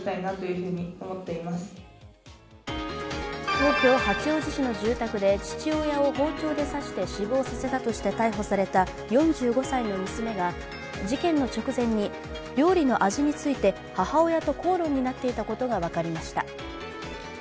東京・八王子市の住宅で父親を包丁で刺して死亡させたとして逮捕された４５歳の娘が、事件の直前に料理の味について母親と口論になっていたことが分かりました。